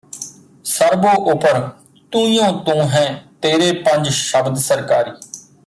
ਸਰਬੋ ਉਪਰ ਤੂਈਉਂ ਤੂੰ ਹੈ ਤੇਰੇ ਪੰਜ ਸ਼ਬਦ ਸਰਕਾਰੀ